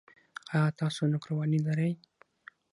ایا تاسو نوکریوالي لرئ؟